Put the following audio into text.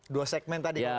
dua segmen tadi ya